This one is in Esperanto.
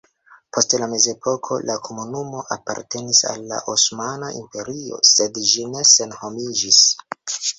Post la mezepoko la komunumo apartenis al la Osmana Imperio sed ĝi ne senhomiĝis.